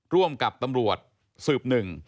ร่วมกับตำรวจสืบ๑